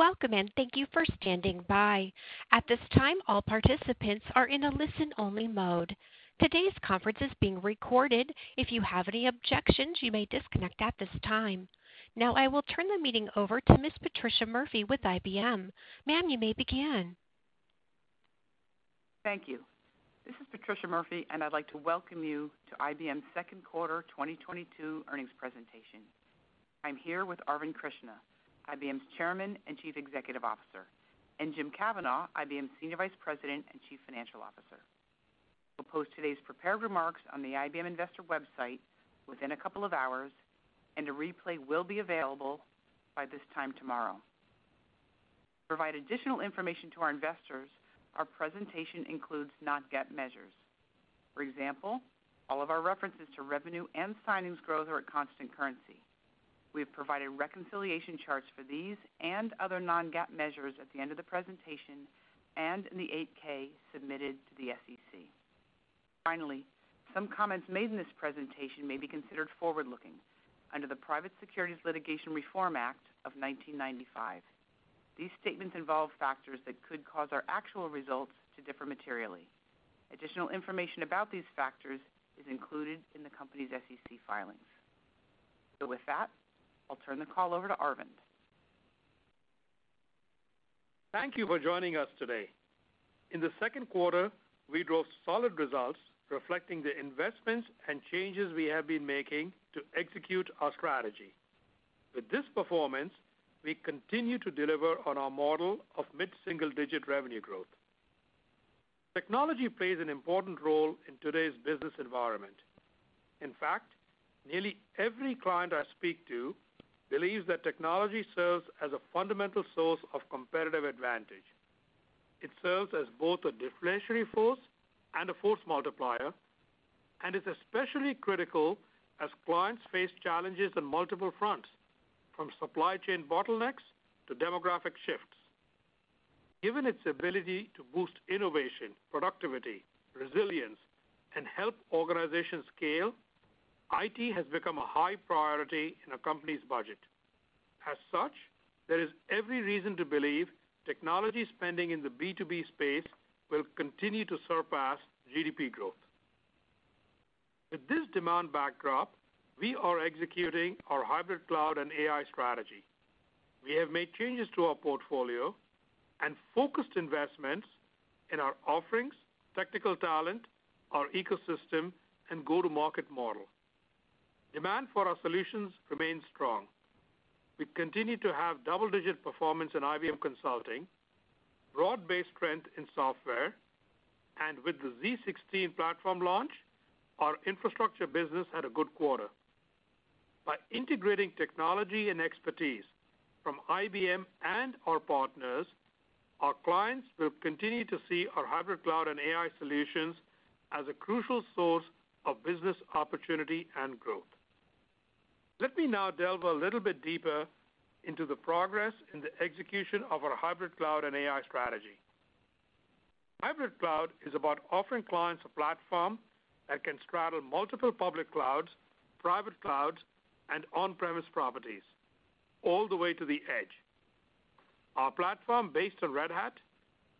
Welcome, and thank you for standing by. At this time, all participants are in a listen-only mode. Today's conference is being recorded. If you have any objections, you may disconnect at this time. Now, I will turn the meeting over to Ms. Patricia Murphy with IBM. Ma'am, you may begin. Thank you. This is Patricia Murphy, and I'd like to welcome you to IBM's Second Quarter 2022 Earnings Presentation. I'm here with Arvind Krishna, IBM's Chairman and Chief Executive Officer, and Jim Kavanaugh, IBM's Senior Vice President and Chief Financial Officer. We'll post today's prepared remarks on the IBM investor website within a couple of hours, and a replay will be available by this time tomorrow. To provide additional information to our investors, our presentation includes non-GAAP measures. For example, all of our references to revenue and signings growth are at constant currency. We have provided reconciliation charts for these and other non-GAAP measures at the end of the presentation and in the 8-K submitted to the SEC. Finally, some comments made in this presentation may be considered forward-looking under the Private Securities Litigation Reform Act of 1995. These statements involve factors that could cause our actual results to differ materially. Additional information about these factors is included in the company's SEC filings. With that, I'll turn the call over to Arvind. Thank you for joining us today. In the second quarter, we drove solid results reflecting the investments and changes we have been making to execute our strategy. With this performance, we continue to deliver on our model of mid-single-digit revenue growth. Technology plays an important role in today's business environment. In fact, nearly every client I speak to believes that technology serves as a fundamental source of competitive advantage. It serves as both a differentiate force and a force multiplier and is especially critical as clients face challenges on multiple fronts, from supply chain bottlenecks to demographic shifts. Given its ability to boost innovation, productivity, resilience, and help organizations scale, IT has become a high priority in a company's budget. As such, there is every reason to believe technology spending in the B2B space will continue to surpass GDP growth. With this demand backdrop, we are executing our hybrid cloud and AI strategy. We have made changes to our portfolio and focused investments in our offerings, technical talent, our ecosystem, and go-to-market model. Demand for our solutions remains strong. We continue to have double-digit performance in IBM Consulting, broad-based trend in software, and with the z16 platform launch, our infrastructure business had a good quarter. By integrating technology and expertise from IBM and our partners, our clients will continue to see our hybrid cloud and AI solutions as a crucial source of business opportunity and growth. Let me now delve a little bit deeper into the progress in the execution of our hybrid cloud and AI strategy. Hybrid cloud is about offering clients a platform that can straddle multiple public clouds, private clouds, and on-premise properties all the way to the edge. Our platform, based on Red Hat,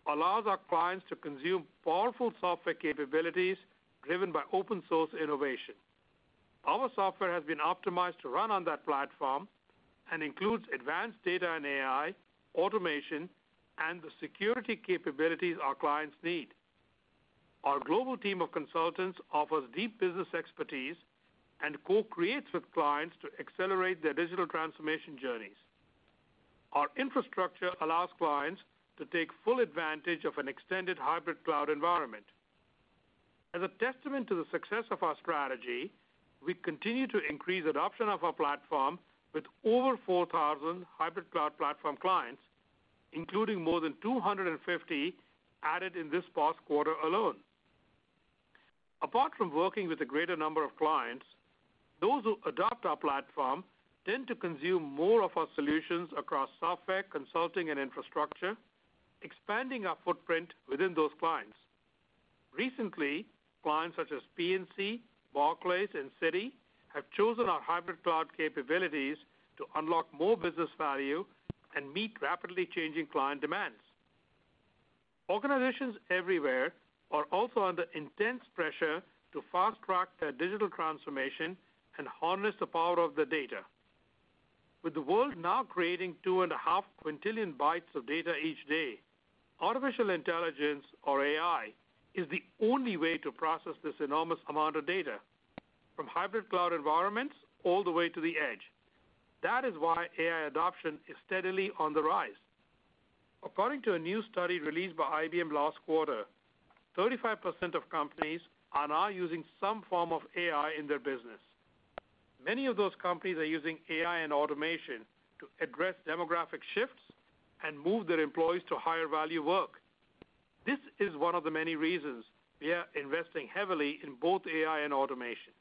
allows our clients to consume powerful software capabilities driven by open source innovation. Our software has been optimized to run on that platform and includes advanced data and AI, automation, and the security capabilities our clients need. Our global team of consultants offers deep business expertise and co-creates with clients to accelerate their digital transformation journeys. Our infrastructure allows clients to take full advantage of an extended hybrid cloud environment. As a testament to the success of our strategy, we continue to increase adoption of our platform with over 4,000 hybrid cloud platform clients, including more than 250 added in this past quarter alone. Apart from working with a greater number of clients, those who adopt our platform tend to consume more of our solutions across software, consulting, and infrastructure, expanding our footprint within those clients. Recently, clients such as PNC, Barclays, and Citi have chosen our hybrid cloud capabilities to unlock more business value and meet rapidly changing client demands. Organizations everywhere are also under intense pressure to fast-track their digital transformation and harness the power of the data. With the world now creating 2.5 quintillion bytes of data each day, artificial intelligence or AI is the only way to process this enormous amount of data from hybrid cloud environments all the way to the edge. That is why AI adoption is steadily on the rise. According to a new study released by IBM last quarter, 35% of companies are now using some form of AI in their business. Many of those companies are using AI and automation to address demographic shifts and move their employees to higher value work. This is one of the many reasons we are investing heavily in both AI and automation.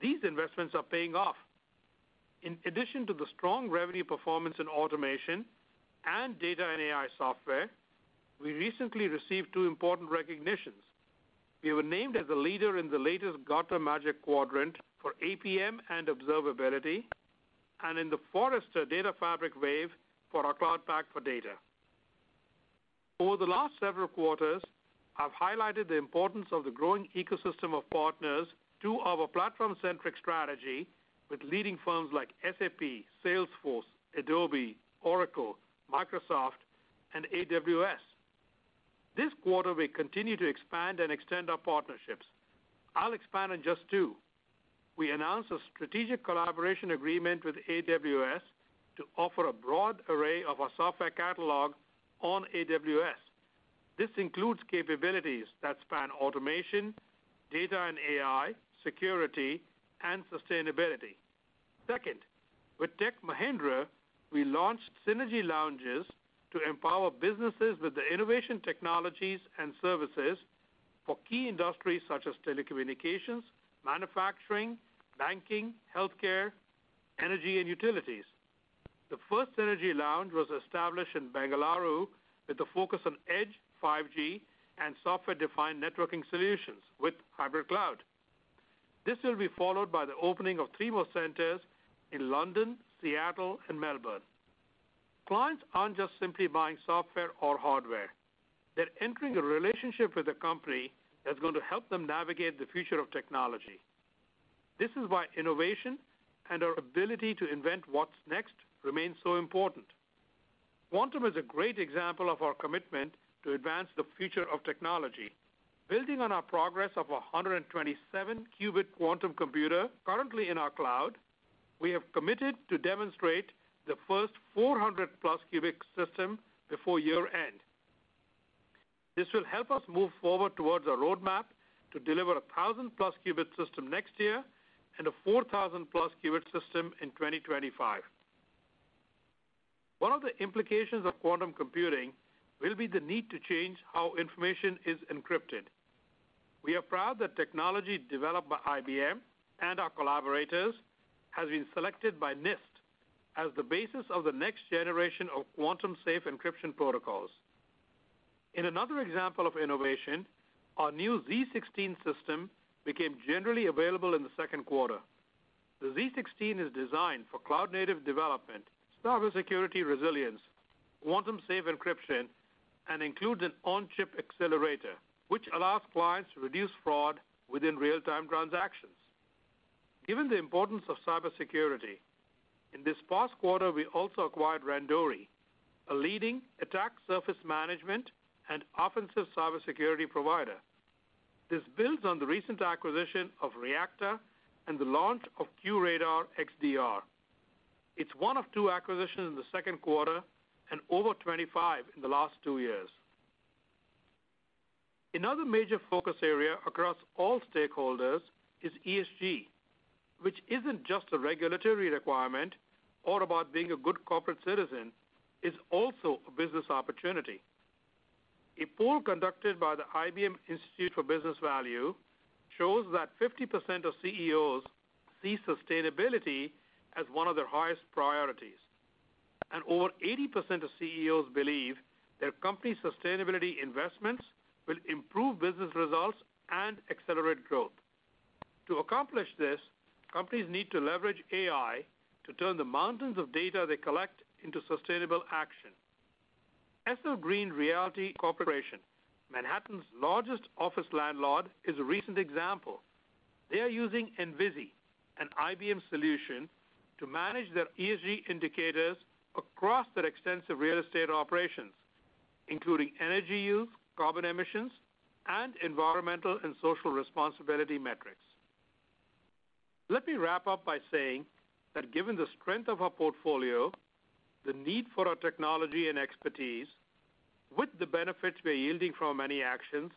These investments are paying off. In addition to the strong revenue performance in automation and data and AI software, we recently received two important recognitions. We were named as a leader in the latest Gartner Magic Quadrant for APM and Observability, and in the Forrester Data Fabric Wave for our Cloud Pak for Data. Over the last several quarters, I've highlighted the importance of the growing ecosystem of partners to our platform-centric strategy with leading firms like SAP, Salesforce, Adobe, Oracle, Microsoft, and AWS. This quarter, we continue to expand and extend our partnerships. I'll expand on just two. We announced a strategic collaboration agreement with AWS to offer a broad array of our software catalog on AWS. This includes capabilities that span automation, data and AI, security, and sustainability. Second, with Tech Mahindra, we launched Synergy Lounge to empower businesses with the innovation technologies and services for key industries such as telecommunications, manufacturing, banking, healthcare, energy, and utilities. The first Synergy Lounge was established in Bengaluru with a focus on edge, 5G, and software-defined networking solutions with hybrid cloud. This will be followed by the opening of three more centers in London, Seattle, and Melbourne. Clients aren't just simply buying software or hardware. They're entering a relationship with a company that's going to help them navigate the future of technology. This is why innovation and our ability to invent what's next remains so important. Quantum is a great example of our commitment to advance the future of technology. Building on our progress of 127-qubit quantum computer currently in our cloud, we have committed to demonstrate the first 400+ qubit system before year-end. This will help us move forward towards a roadmap to deliver a 1,000+ qubit system next year and a 4,000+ qubit system in 2025. One of the implications of quantum computing will be the need to change how information is encrypted. We are proud that technology developed by IBM and our collaborators has been selected by NIST as the basis of the next generation of quantum safe encryption protocols. In another example of innovation, our new z16 system became generally available in the second quarter. The z16 is designed for cloud native development, cybersecurity resilience, quantum safe encryption, and includes an on-chip accelerator, which allows clients to reduce fraud within real-time transactions. Given the importance of cybersecurity, in this past quarter, we also acquired Randori, a leading attack surface management and offensive cybersecurity provider. This builds on the recent acquisition of ReaQta and the launch of QRadar XDR. It's one of two acquisitions in the second quarter and over 25 in the last two years. Another major focus area across all stakeholders is ESG, which isn't just a regulatory requirement or about being a good corporate citizen, it's also a business opportunity. A poll conducted by the IBM Institute for Business Value shows that 50% of CEOs see sustainability as one of their highest priorities, and over 80% of CEOs believe their company sustainability investments will improve business results and accelerate growth. To accomplish this, companies need to leverage AI to turn the mountains of data they collect into sustainable action. SL Green Realty Corp., Manhattan's largest office landlord, is a recent example. They are using Envizi, an IBM solution, to manage their ESG indicators across their extensive real estate operations, including energy use, carbon emissions, and environmental and social responsibility metrics. Let me wrap up by saying that given the strength of our portfolio, the need for our technology and expertise, with the benefits we're yielding from our many actions,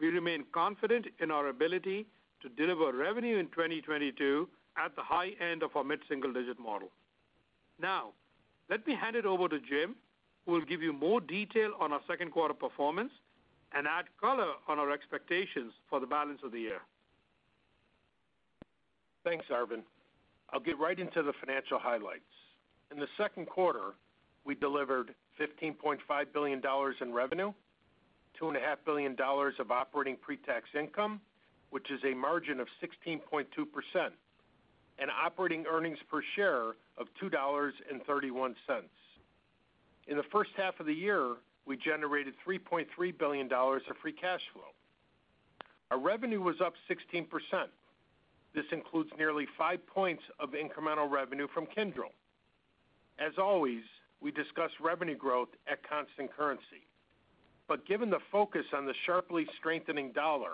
we remain confident in our ability to deliver revenue in 2022 at the high-end of our mid-single-digit model. Now, let me hand it over to Jim, who will give you more detail on our second quarter performance and add color on our expectations for the balance of the year. Thanks, Arvind. I'll get right into the financial highlights. In the second quarter, we delivered $15.5 billion in revenue, $2.5 billion of operating pre-tax income, which is a margin of 16.2%, and operating earnings per share of $2.31. In the first half of the year, we generated $3.3 billion of free cash flow. Our revenue was up 16%. This includes nearly 5 points of incremental revenue from Kyndryl. As always, we discuss revenue growth at constant currency. Given the focus on the sharply strengthening dollar,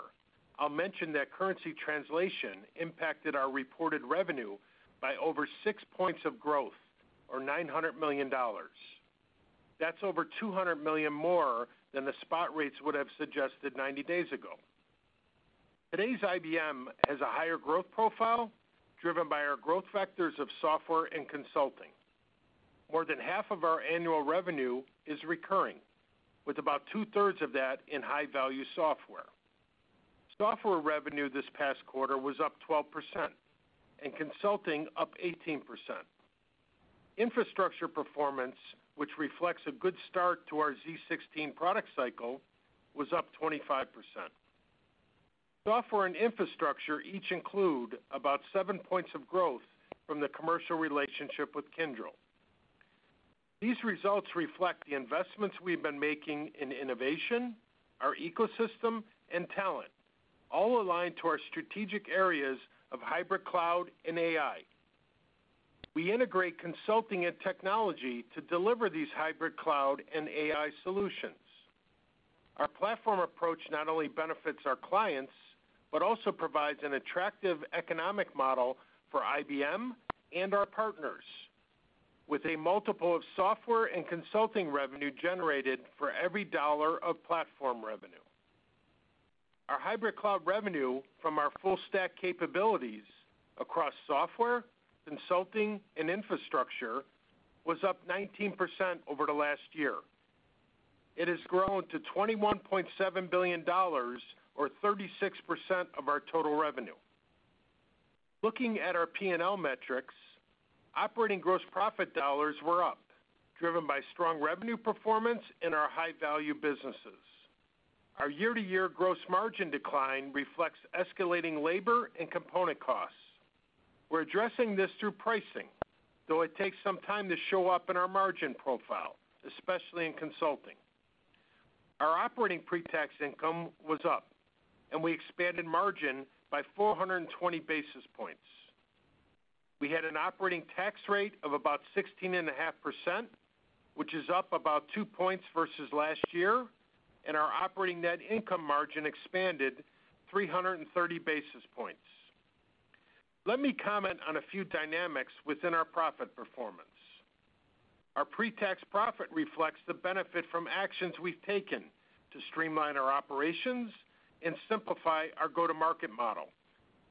I'll mention that currency translation impacted our reported revenue by over 6 points of growth or $900 million. That's over $200 million more than the spot rates would have suggested 90 days ago. Today's IBM has a higher growth profile driven by our growth factors of software and consulting. More than half of our annual revenue is recurring, with about 2/3 of that in high-value software. Software revenue this past quarter was up 12% and consulting up 18%. Infrastructure performance, which reflects a good start to our z16 product cycle, was up 25%. Software and infrastructure each include about 7 points of growth from the commercial relationship with Kyndryl. These results reflect the investments we've been making in innovation, our ecosystem, and talent, all aligned to our strategic areas of hybrid cloud and AI. We integrate consulting and technology to deliver these hybrid cloud and AI solutions. Our platform approach not only benefits our clients, but also provides an attractive economic model for IBM and our partners, with a multiple of software and consulting revenue generated for every dollar of platform revenue. Our hybrid cloud revenue from our full stack capabilities across software, consulting, and infrastructure was up 19% over the last year. It has grown to $21.7 billion or 36% of our total revenue. Looking at our P&L metrics, operating gross profit dollars were up, driven by strong revenue performance in our high-value businesses. Our year-to-year gross margin decline reflects escalating labor and component costs. We're addressing this through pricing, though it takes some time to show up in our margin profile, especially in consulting. Our operating pre-tax income was up, and we expanded margin by 420 basis points. We had an operating tax rate of about 16.5%, which is up about 2 points versus last year, and our operating net income margin expanded 330 basis points. Let me comment on a few dynamics within our profit performance. Our pre-tax profit reflects the benefit from actions we've taken to streamline our operations and simplify our go-to-market model,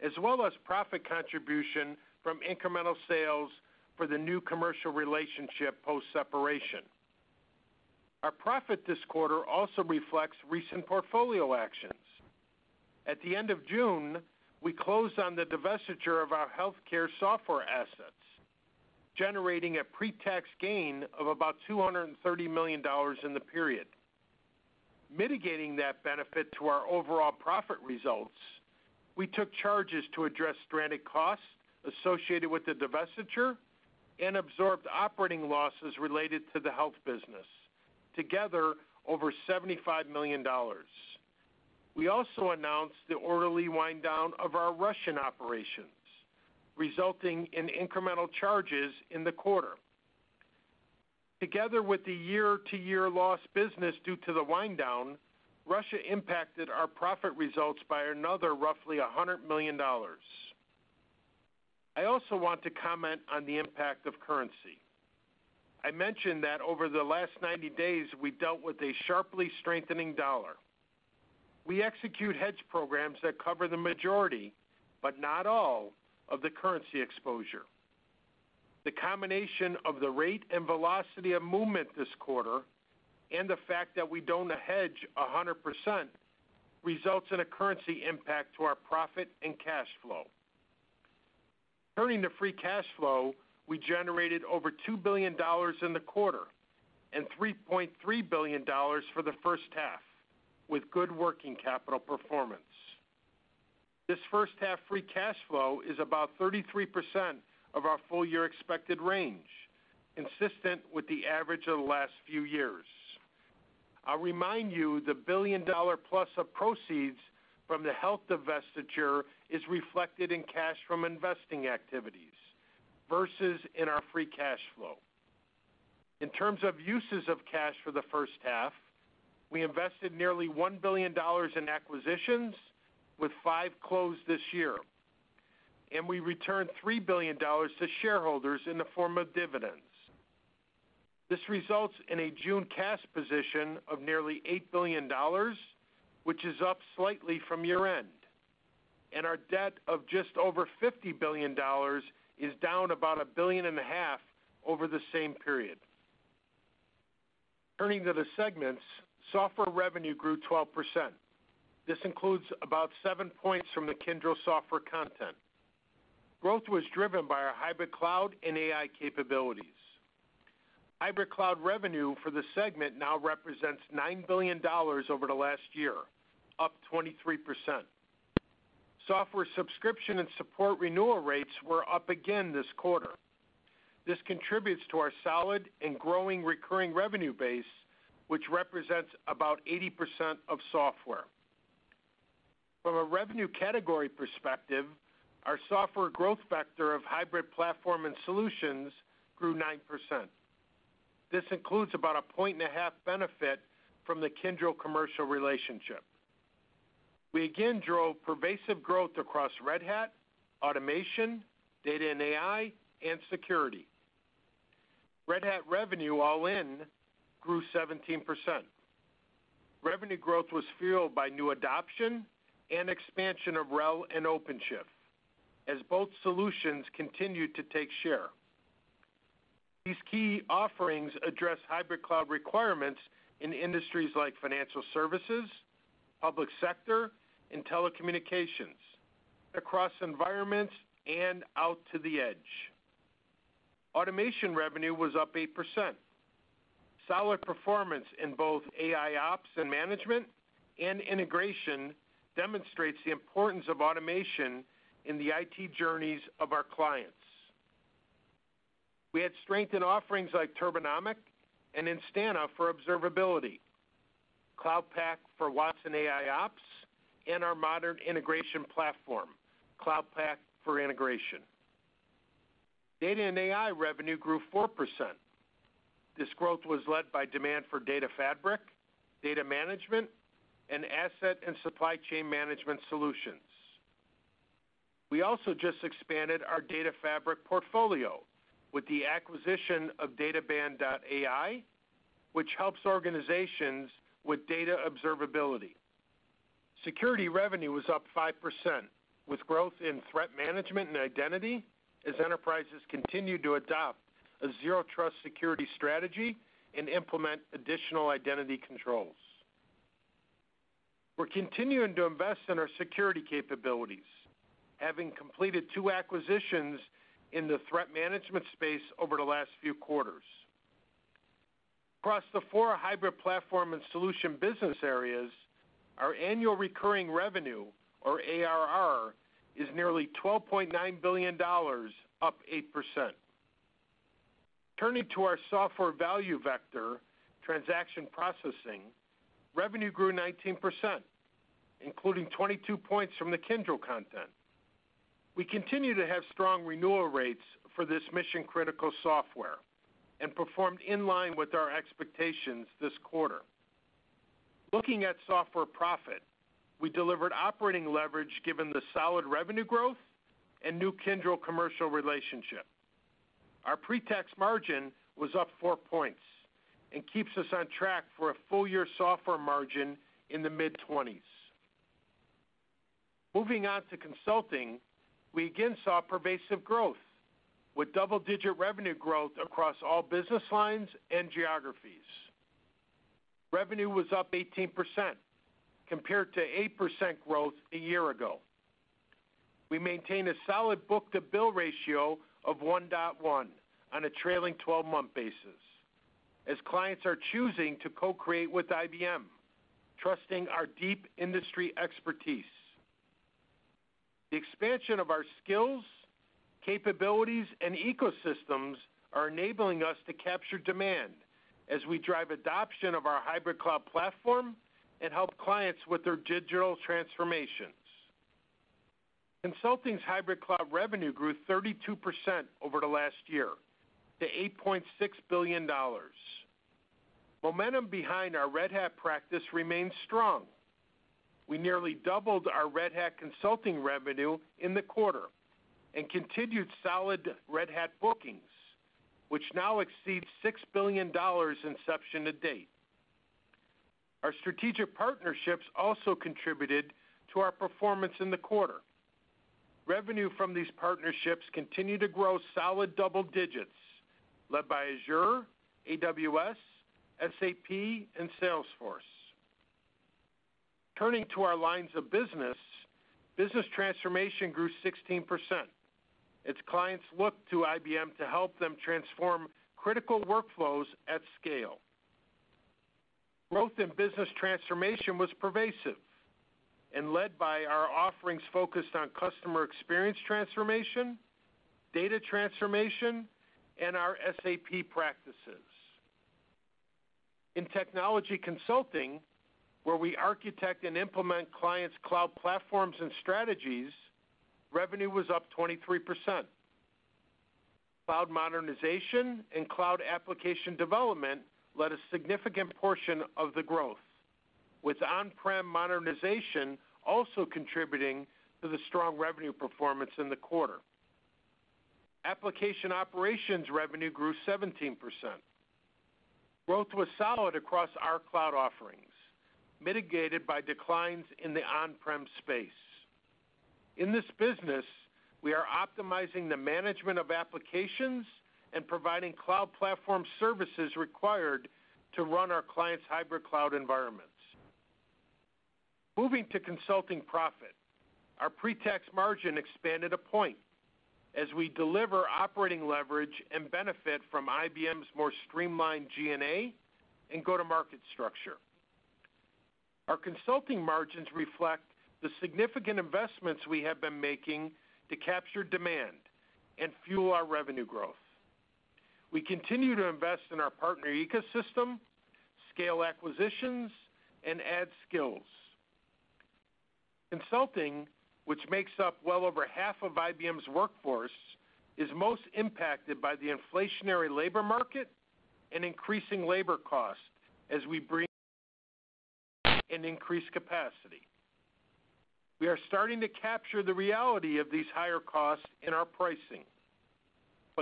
as well as profit contribution from incremental sales for the new commercial relationship post-separation. Our profit this quarter also reflects recent portfolio actions. At the end of June, we closed on the divestiture of our healthcare software assets, generating a pre-tax gain of about $230 million in the period. Mitigating that benefit to our overall profit results, we took charges to address stranded costs associated with the divestiture and absorbed operating losses related to the health business. Together, over $75 million. We also announced the orderly wind down of our Russian operations, resulting in incremental charges in the quarter. Together with the year-to-year loss business due to the wind down, Russia impacted our profit results by another roughly $100 million. I also want to comment on the impact of currency. I mentioned that over the last 90 days, we've dealt with a sharply strengthening dollar. We execute hedge programs that cover the majority, but not all of the currency exposure. The combination of the rate and velocity of movement this quarter and the fact that we don't hedge 100% results in a currency impact to our profit and cash flow. Turning to free cash flow, we generated over $2 billion in the quarter and $3.3 billion for the first half, with good working capital performance. This first half free cash flow is about 33% of our full year expected range, consistent with the average of the last few years. I'll remind you the billion-dollar plus of proceeds from the health divestiture is reflected in cash from investing activities versus in our free cash flow. In terms of uses of cash for the first half, we invested nearly $1 billion in acquisitions with five closed this year, and we returned $3 billion to shareholders in the form of dividends. This results in a June cash position of nearly $8 billion, which is up slightly from year-end. Our debt of just over $50 billion is down about $1.5 billion over the same period. Turning to the segments, software revenue grew 12%. This includes about 7 points from the Kyndryl software content. Growth was driven by our hybrid cloud and AI capabilities. Hybrid cloud revenue for the segment now represents $9 billion over the last year, up 23%. Software subscription and support renewal rates were up again this quarter. This contributes to our solid and growing recurring revenue base, which represents about 80% of software. From a revenue category perspective, our software growth vector of hybrid platform and solutions grew 9%. This includes about a 1.5-point benefit from the Kyndryl commercial relationship. We again drove pervasive growth across Red Hat, automation, data and AI, and security. Red Hat revenue all in grew 17%. Revenue growth was fueled by new adoption and expansion of RHEL and OpenShift, as both solutions continued to take share. These key offerings address hybrid cloud requirements in industries like financial services, public sector and telecommunications across environments and out to the edge. Automation revenue was up 8%. Solid performance in both AIOps and management and integration demonstrates the importance of automation in the IT journeys of our clients. We had strengthened offerings like Turbonomic and Instana for observability, Cloud Pak for Watson AIOps, and our modern integration platform, Cloud Pak for Integration. Data and AI revenue grew 4%. This growth was led by demand for Data Fabric, data management, and asset and supply chain management solutions. We also just expanded our Data Fabric portfolio with the acquisition of Databand.ai, which helps organizations with data observability. Security revenue was up 5%, with growth in threat management and identity as enterprises continue to adopt a zero trust security strategy and implement additional identity controls. We're continuing to invest in our security capabilities, having completed two acquisitions in the threat management space over the last few quarters. Across the four hybrid platform and solution business areas, our annual recurring revenue, or ARR, is nearly $12.9 billion, up 8%. Turning to our software value vector, transaction processing, revenue grew 19%, including 22 points from the Kyndryl contribution. We continue to have strong renewal rates for this mission-critical software and performed in line with our expectations this quarter. Looking at software profit, we delivered operating leverage given the solid revenue growth and new Kyndryl commercial relationship. Our pre-tax margin was up 4 points and keeps us on track for a full-year software margin in the mid-20s. Moving on to consulting, we again saw pervasive growth with double-digit revenue growth across all business lines and geographies. Revenue was up 18% compared to 8% growth a year ago. We maintain a solid book-to-bill ratio of 1.1 on a trailing 12-month basis, as clients are choosing to co-create with IBM, trusting our deep industry expertise. The expansion of our skills, capabilities, and ecosystems are enabling us to capture demand as we drive adoption of our hybrid cloud platform and help clients with their digital transformations. Consulting's hybrid cloud revenue grew 32% over the last year to $8.6 billion. Momentum behind our Red Hat practice remains strong. We nearly doubled our Red Hat consulting revenue in the quarter and continued solid Red Hat bookings, which now exceed $6 billion inception to date. Our strategic partnerships also contributed to our performance in the quarter. Revenue from these partnerships continue to grow solid double digits, led by Azure, AWS, SAP, and Salesforce. Turning to our lines of business transformation grew 16%. Its clients look to IBM to help them transform critical workflows at scale. Growth in business transformation was pervasive and led by our offerings focused on customer experience transformation, data transformation, and our SAP practices. In technology consulting, where we architect and implement clients' cloud platforms and strategies, revenue was up 23%. Cloud modernization and cloud application development led a significant portion of the growth, with on-prem modernization also contributing to the strong revenue performance in the quarter. Application operations revenue grew 17%. Growth was solid across our cloud offerings, mitigated by declines in the on-prem space. In this business, we are optimizing the management of applications and providing cloud platform services required to run our clients' hybrid cloud environments. Moving to consulting profit, our pre-tax margin expanded a point as we deliver operating leverage and benefit from IBM's more streamlined G&A and go-to-market structure. Our consulting margins reflect the significant investments we have been making to capture demand and fuel our revenue growth. We continue to invest in our partner ecosystem, scale acquisitions, and add skills. Consulting, which makes up well over half of IBM's workforce, is most impacted by the inflationary labor market and increasing labor costs as we bring and increase capacity. We are starting to capture the reality of these higher costs in our pricing.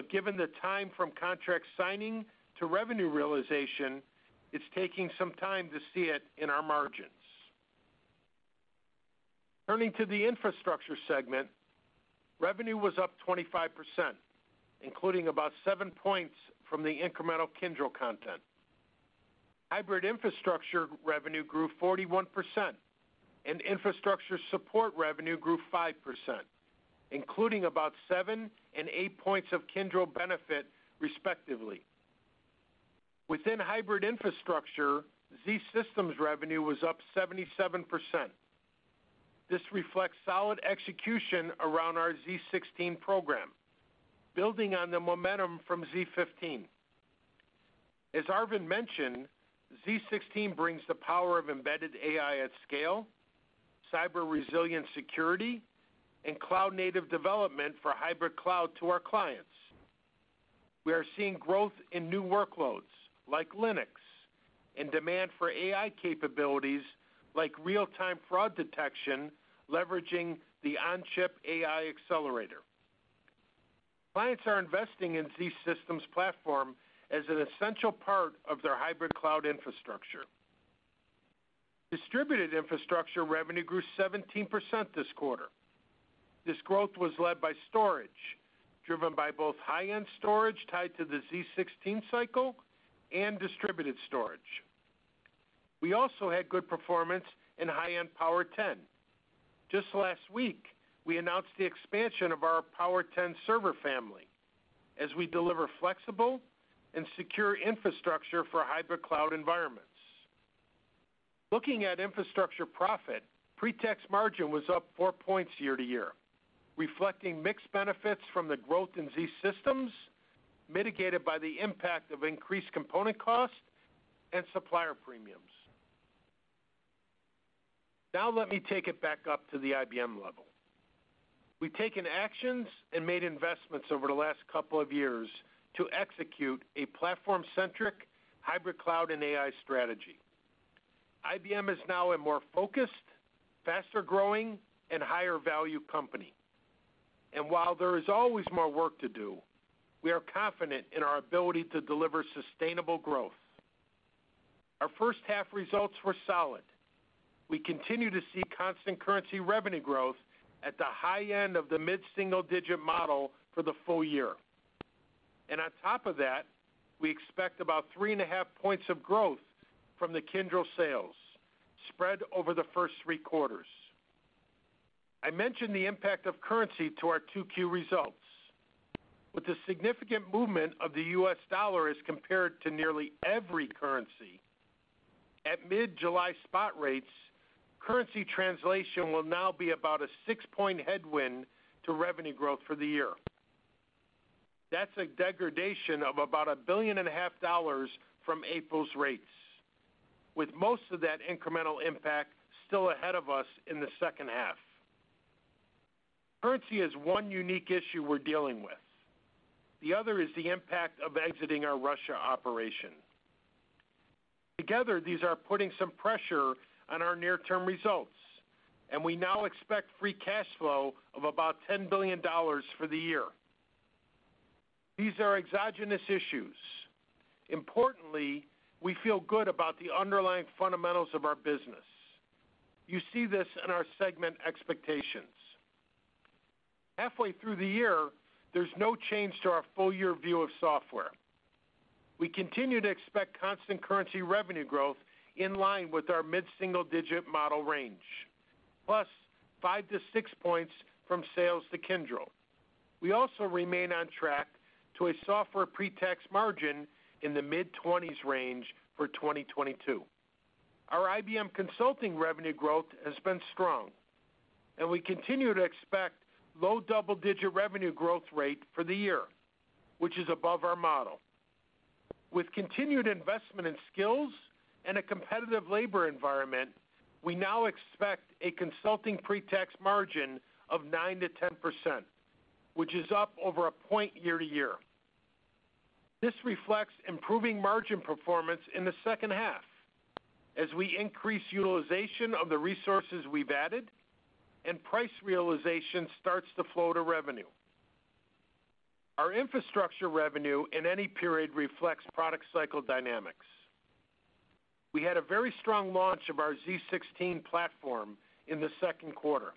Given the time from contract signing to revenue realization, it's taking some time to see it in our margins. Turning to the infrastructure segment, revenue was up 25%, including about 7 points from the incremental Kyndryl content. Hybrid infrastructure revenue grew 41% and infrastructure support revenue grew 5%, including about 7 and 8 points of Kyndryl benefit respectively. Within hybrid infrastructure, IBM Z revenue was up 77%. This reflects solid execution around our z16 program, building on the momentum from z15. As Arvind mentioned, z16 brings the power of embedded AI at scale, cyber resilience security and cloud native development for hybrid cloud to our clients. We are seeing growth in new workloads like Linux and demand for AI capabilities like real-time fraud detection, leveraging the on-chip AI accelerator. Clients are investing in IBM Z platform as an essential part of their hybrid cloud infrastructure. Distributed infrastructure revenue grew 17% this quarter. This growth was led by storage, driven by both high-end storage tied to the z16 cycle and distributed storage. We also had good performance in high-end Power10. Just last week, we announced the expansion of our Power10 server family as we deliver flexible and secure infrastructure for hybrid cloud environments. Looking at infrastructure profit, pre-tax margin was up four points year to year, reflecting mixed benefits from the growth in IBM Z, mitigated by the impact of increased component costs and supplier premiums. Now let me take it back up to the IBM level. We've taken actions and made investments over the last couple of years to execute a platform-centric hybrid cloud and AI strategy. IBM is now a more focused, faster-growing, and higher value company. While there is always more work to do, we are confident in our ability to deliver sustainable growth. Our first half results were solid. We continue to see constant currency revenue growth at the high end of the mid-single digit model for the full year. On top of that, we expect about 3.5 points of growth from the Kyndryl sales spread over the first three quarters. I mentioned the impact of currency to our 2Q results. With the significant movement of the U.S. dollar as compared to nearly every currency, at mid-July spot rates, currency translation will now be about a 6-point headwind to revenue growth for the year. That's a degradation of about $1.5 billion from April's rates, with most of that incremental impact still ahead of us in the second half. Currency is one unique issue we're dealing with. The other is the impact of exiting our Russia operation. Together, these are putting some pressure on our near-term results, and we now expect free cash flow of about $10 billion for the year. These are exogenous issues. Importantly, we feel good about the underlying fundamentals of our business. You see this in our segment expectations. Halfway through the year, there's no change to our full year view of software. We continue to expect constant currency revenue growth in line with our mid-single-digit model range, plus 5-6 points from sales to Kyndryl. We also remain on track to a software pre-tax margin in the mid-20s range for 2022. Our IBM Consulting revenue growth has been strong, and we continue to expect low double-digit revenue growth rate for the year, which is above our model. With continued investment in skills and a competitive labor environment, we now expect a consulting pre-tax margin of 9%-10%, which is up over a point year-over-year. This reflects improving margin performance in the second half as we increase utilization of the resources we've added and price realization starts to flow to revenue. Our infrastructure revenue in any period reflects product cycle dynamics. We had a very strong launch of our z16 platform in the second quarter.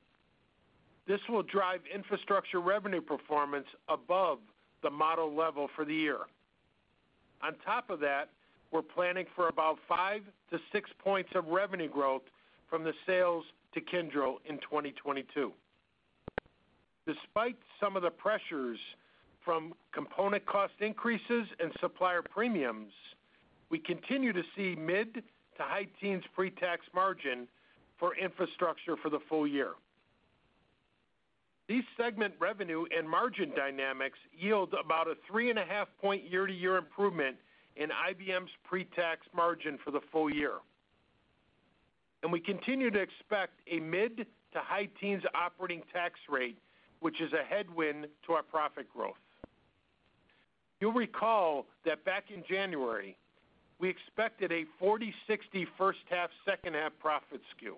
This will drive infrastructure revenue performance above the model level for the year. On top of that, we're planning for about 5-6 points of revenue growth from the sales to Kyndryl in 2022. Despite some of the pressures from component cost increases and supplier premiums, we continue to see mid- to high-teens pre-tax margin for infrastructure for the full year. These segment revenue and margin dynamics yield about a 3.5-point year-to-year improvement in IBM's pre-tax margin for the full year. We continue to expect a mid- to high-teens operating tax rate, which is a headwind to our profit growth. You'll recall that back in January, we expected a 40-60 first half, second half profit skew.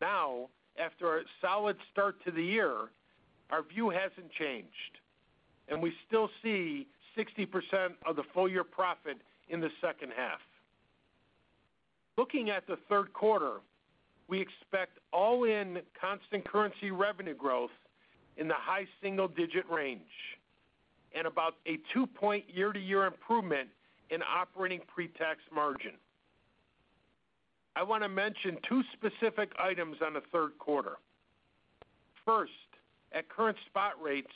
Now, after a solid start to the year, our view hasn't changed. We still see 60% of the full year profit in the second half. Looking at the third quarter, we expect all-in constant-currency revenue growth in the high single-digit range and about a 2-point year-to-year improvement in operating pre-tax margin. I wanna mention two specific items on the third quarter. First, at current spot rates,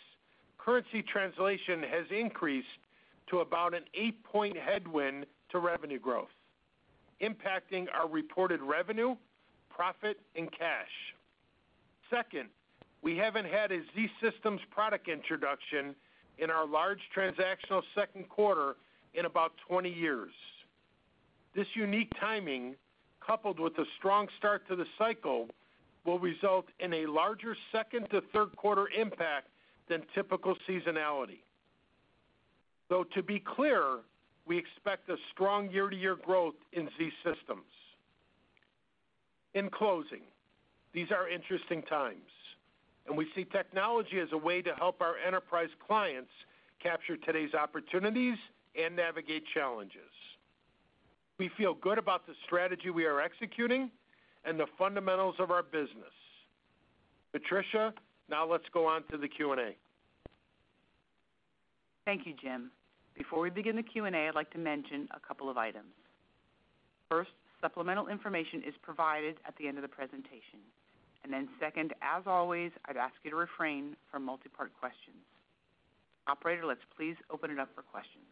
currency translation has increased to about an 8-point headwind to revenue growth, impacting our reported revenue, profit, and cash. Second, we haven't had an IBM Z product introduction in our large transactional second quarter in about 20 years. This unique timing, coupled with the strong start to the cycle, will result in a larger second to third quarter impact than typical seasonality. Though to be clear, we expect a strong year-to-year growth in IBM Z. In closing, these are interesting times, and we see technology as a way to help our enterprise clients capture today's opportunities and navigate challenges. We feel good about the strategy we are executing and the fundamentals of our business. Patricia, now let's go on to the Q&A. Thank you, Jim. Before we begin the Q&A, I'd like to mention a couple of items. First, supplemental information is provided at the end of the presentation. Second, as always, I'd ask you to refrain from multi-part questions. Operator, let's please open it up for questions.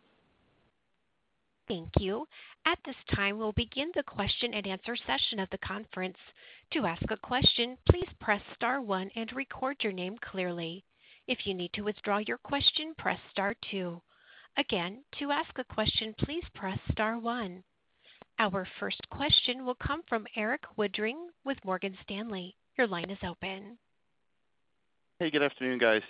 Thank you. At this time, we'll begin the question-and-answer session of the conference. To ask a question, please press star one and record your name clearly. If you need to withdraw your question, press star two. Again, to ask a question, please press star one. Our first question will come from Erik Woodring with Morgan Stanley. Your line is open. Hey, good afternoon, guys.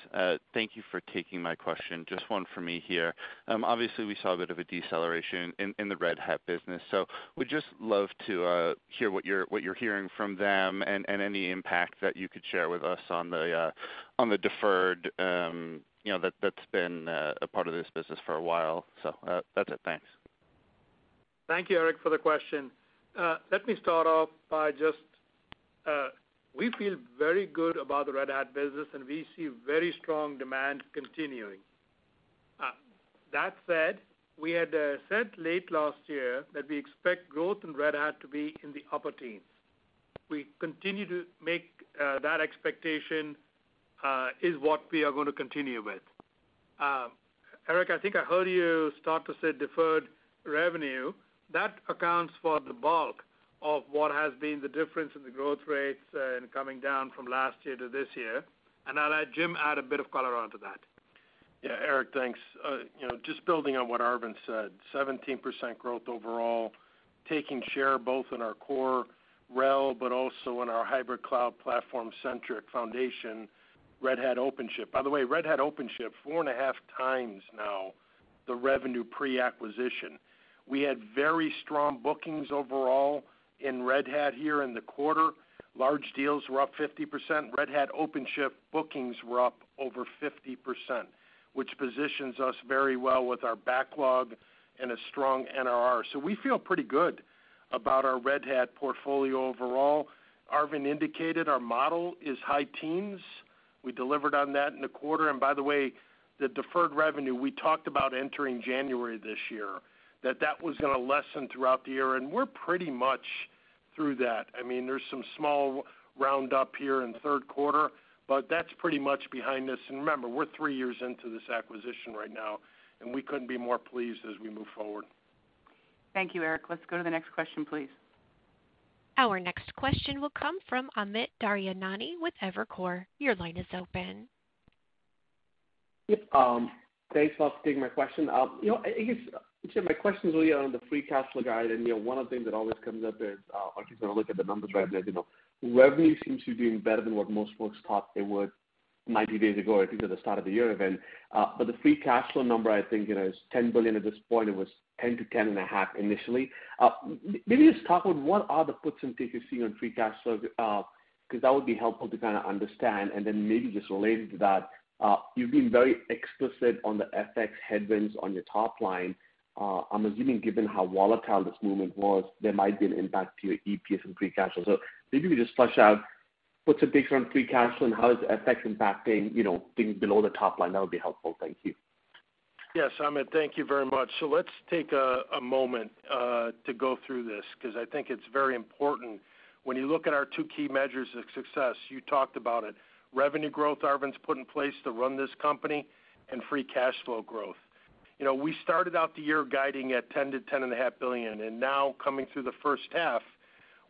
Thank you for taking my question. Just one for me here. Obviously, we saw a bit of a deceleration in the Red Hat business, so would just love to hear what you're hearing from them and any impact that you could share with us on the deferred, you know, that's been a part of this business for a while. That's it. Thanks. Thank you, Erik, for the question. Let me start off by just we feel very good about the Red Hat business, and we see very strong demand continuing. That said, we had said late last year that we expect growth in Red Hat to be in the upper teens. We continue to make that expectation is what we are gonna continue with. Erik, I think I heard you start to say deferred revenue. That accounts for the bulk of what has been the difference in the growth rates in coming down from last year to this year, and I'll let Jim add a bit of color onto that. Yeah. Erik, thanks. You know, just building on what Arvind said, 17% growth overall, taking share both in our core RHEL, but also in our hybrid cloud platform-centric foundation, Red Hat OpenShift. By the way, Red Hat OpenShift, 4.5x now the revenue pre-acquisition. We had very strong bookings overall in Red Hat here in the quarter. Large deals were up 50%. Red Hat OpenShift bookings were up over 50%, which positions us very well with our backlog and a strong NRR. So we feel pretty good about our Red Hat portfolio overall. Arvind indicated our model is high teens. We delivered on that in the quarter. By the way, the deferred revenue we talked about entering January this year, that was gonna lessen throughout the year, and we're pretty much through that. I mean, there's some small round up here in the third quarter, but that's pretty much behind us. Remember, we're three years into this acquisition right now, and we couldn't be more pleased as we move forward. Thank you, Erik. Let's go to the next question, please. Our next question will come from Amit Daryanani with Evercore. Your line is open. Yep. Thanks for taking my question. You know, I guess, Jim, my question is really on the free cash flow guide, and, you know, one of the things that always comes up is, or at least when I look at the numbers right there, you know, revenue seems to be doing better than what most folks thought they would 90 days ago, or even at the start of the year, even. But the free cash flow number, I think, you know, is $10 billion at this point. It was $10 billion-$10.5 billion initially. Maybe just talk about what are the puts and takes you're seeing on free cash flow, because that would be helpful to kind of understand. Then maybe just related to that, you've been very explicit on the FX headwinds on your top line. I'm assuming given how volatile this movement was, there might be an impact to your EPS and free cash flow. Maybe just flush out puts and takes on free cash flow and how is FX impacting, you know, things below the top line. That would be helpful. Thank you. Yes, Amit, thank you very much. Let's take a moment to go through this because I think it's very important. When you look at our two key measures of success, you talked about it, revenue growth Arvind's put in place to run this company and free cash flow growth. You know, we started out the year guiding at $10 billion-$10.5 billion, and now coming through the first half,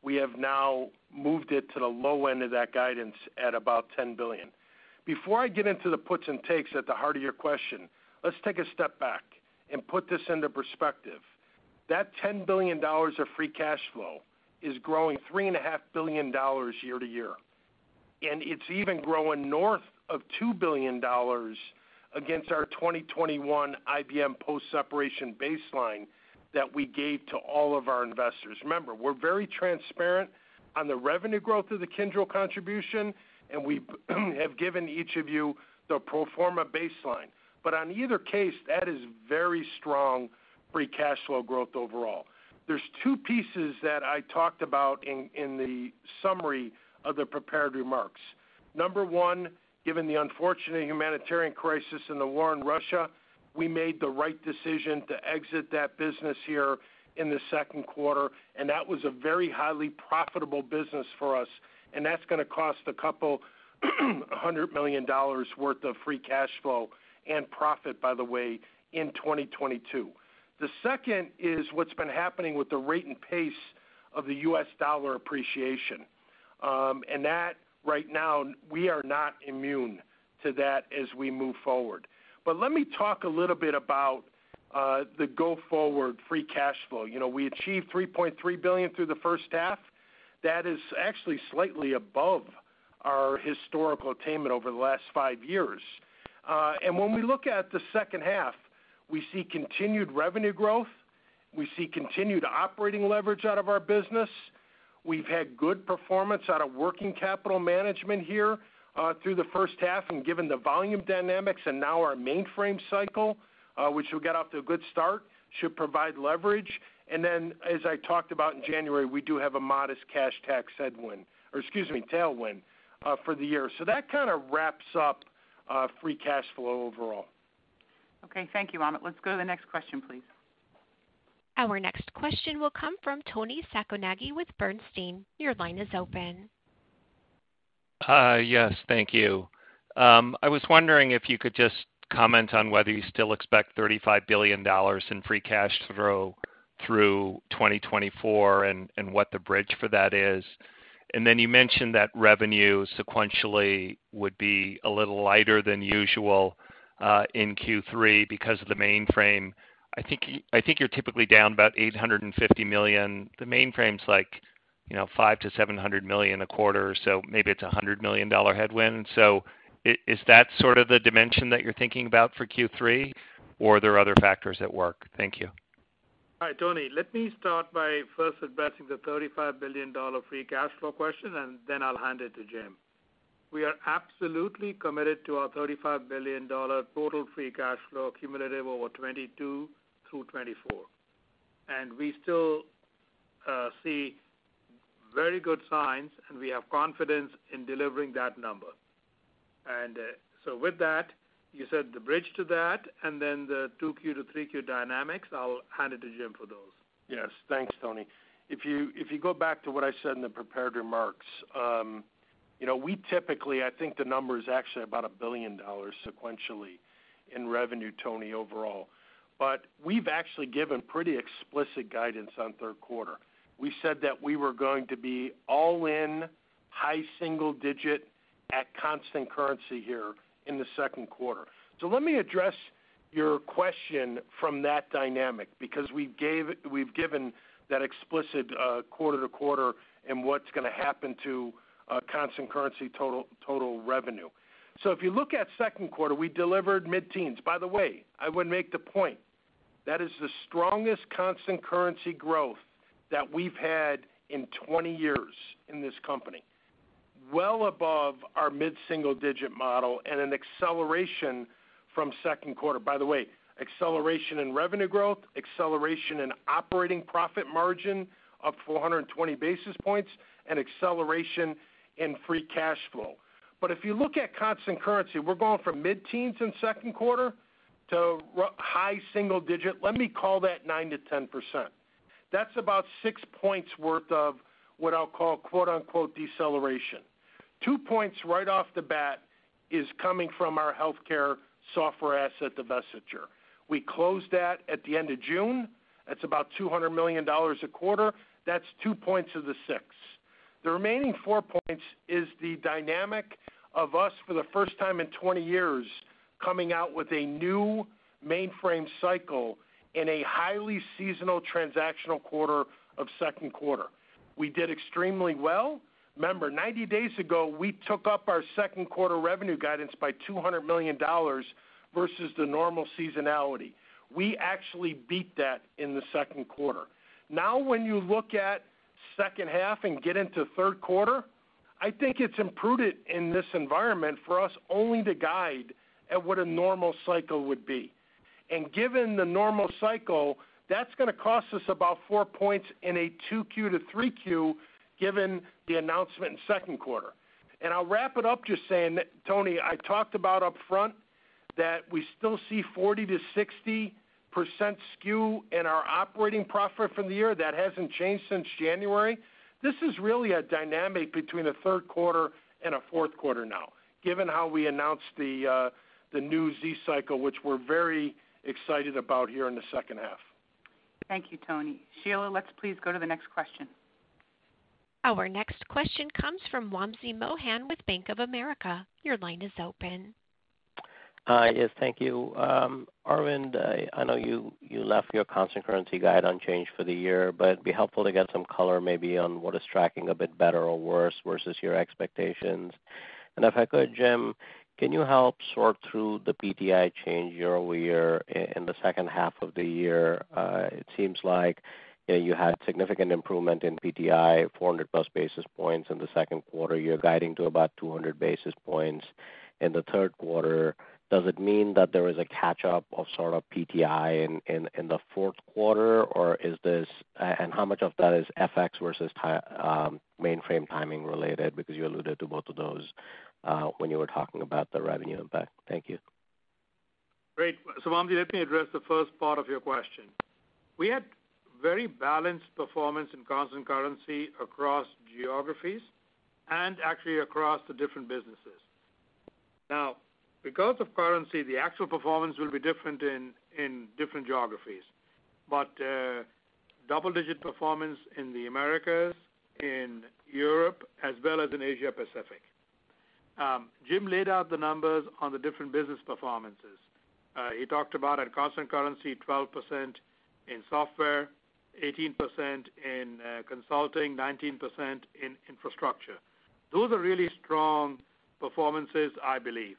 we have now moved it to the low end of that guidance at about $10 billion. Before I get into the puts and takes at the heart of your question, let's take a step back and put this into perspective. That $10 billion of free cash flow is growing $3.5 billion year-over-year. It's even growing north of $2 billion against our 2021 IBM post-separation baseline that we gave to all of our investors. Remember, we're very transparent on the revenue growth of the Kyndryl contribution, and we have given each of you the pro forma baseline. In either case, that is very strong free cash flow growth overall. There's two pieces that I talked about in the summary of the prepared remarks. Number one, given the unfortunate humanitarian crisis and the war in Russia, we made the right decision to exit that business here in the second quarter, and that was a very highly profitable business for us, and that's gonna cost a couple hundred million dollars worth of free cash flow and profit, by the way, in 2022. The second is what's been happening with the rate and pace of the U.S. dollar appreciation. That right now we are not immune to that as we move forward. Let me talk a little bit about the go forward free cash flow. You know, we achieved $3.3 billion through the first half. That is actually slightly above our historical attainment over the last five years. When we look at the second half, we see continued revenue growth. We see continued operating leverage out of our business. We've had good performance out of working capital management here through the first half and given the volume dynamics and now our mainframe cycle, which we got off to a good start, should provide leverage. Then as I talked about in January, we do have a modest cash tax headwind or excuse me, tailwind, for the year. That kinda wraps up free cash flow overall. Okay, thank you, Amit. Let's go to the next question, please. Our next question will come from Toni Sacconaghi with Bernstein. Your line is open. Yes, thank you. I was wondering if you could just comment on whether you still expect $35 billion in free cash flow through 2024 and what the bridge for that is. You mentioned that revenue sequentially would be a little lighter than usual in Q3 because of the mainframe. I think you're typically down about $850 million. The mainframe's like, you know, $500 million-$700 million a quarter, so maybe it's a $100 million headwind. Is that sort of the dimension that you're thinking about for Q3, or are there other factors at work? Thank you. Hi, Toni. Let me start by first addressing the $35 billion free cash flow question, and then I'll hand it to Jim. We are absolutely committed to our $35 billion total free cash flow cumulative over 2022 through 2024. We still see very good signs, and we have confidence in delivering that number. With that, you said the bridge to that and then the 2Q to 3Q dynamics. I'll hand it to Jim for those. Yes. Thanks, Toni. If you go back to what I said in the prepared remarks, you know, we typically I think the number is actually about $1 billion sequentially in revenue, Toni, overall. We've actually given pretty explicit guidance on third quarter. We said that we were going to be all in high single digit at constant currency here in the second quarter. Let me address your question from that dynamic because we've given that explicit, quarter to quarter and what's gonna happen to, Constant Currency total revenue. If you look at second quarter, we delivered mid-teens. By the way, I would make the point, that is the strongest constant currency growth that we've had in 20 years in this company, well above our mid-single digit model and an acceleration from second quarter. By the way, acceleration in revenue growth, acceleration in operating profit margin up 420 basis points and acceleration in free cash flow. If you look at constant currency, we're going from mid-teens in second quarter to high single digit. Let me call that 9%-10%. That's about six points worth of what I'll call quote-unquote deceleration. 2 points right off the bat is coming from our healthcare software asset divestiture. We closed that at the end of June. That's about $200 million a quarter. That's 2 points of the 6. The remaining 4 points is the dynamic of us for the first time in 20 years, coming out with a new mainframe cycle in a highly seasonal transactional quarter of second quarter. We did extremely well. Remember, 90 days ago, we took up our second quarter revenue guidance by $200 million versus the normal seasonality. We actually beat that in the second quarter. Now, when you look at second half and get into third quarter, I think it's imprudent in this environment for us only to guide at what a normal cycle would be. Given the normal cycle, that's gonna cost us about 4 points in a 2Q to 3Q, given the announcement in second quarter. I'll wrap it up just saying that, Toni, I talked about upfront that we still see 40%-60% skew in our operating profit from the year. That hasn't changed since January. This is really a dynamic between a third quarter and a fourth quarter now, given how we announced the new Z cycle, which we're very excited about here in the second half. Thank you, Toni. Sheila, let's please go to the next question. Our next question comes from Wamsi Mohan with Bank of America. Your line is open. Hi, yes, thank you. Arvind, I know you left your constant currency guide unchanged for the year, but it'd be helpful to get some color maybe on what is tracking a bit better or worse versus your expectations. If I could, Jim, can you help sort through the PTI change year-over-year in the second half of the year? It seems like, you know, you had significant improvement in PTI, 400+ basis points in the second quarter. You're guiding to about 200 basis points in the third quarter. Does it mean that there is a catch-up of sort of PTI in the fourth quarter, or is this. And how much of that is FX versus mainframe timing related? Because you alluded to both of those when you were talking about the revenue impact. Thank you. Great. Wamsi, let me address the first part of your question. We had very balanced performance in constant currency across geographies and actually across the different businesses. Now because of currency, the actual performance will be different in different geographies, but double digit performance in the Americas, in Europe, as well as in Asia Pacific. Jim laid out the numbers on the different business performances. He talked about at constant currency, 12% in software, 18% in consulting, 19% in infrastructure. Those are really strong performances, I believe.